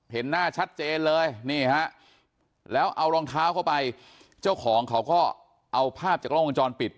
เห็นหน้าชัดเจนเลยนี่ฮะแล้วเอารองเท้าเข้าไปเจ้าของเขาก็เอาภาพจากกล้องวงจรปิด